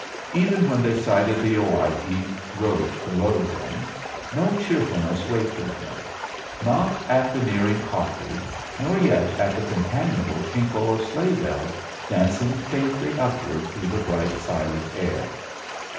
Even when they sighted the Owyhee road below them, no cheerfulness waked in him; not at the nearing coffee, nor yet at the companionable tinkle of sleigh bells dancing faintly upward through the bright, silent air.